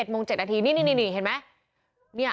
โมง๗นาทีนี่เห็นไหม